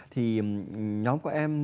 thì nhóm của em